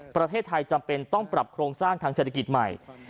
ประเทศไทยจำเป็นต้องปรับโครงสร้างทางเศรษฐกิจใหม่